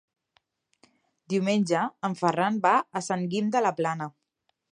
Diumenge en Ferran va a Sant Guim de la Plana.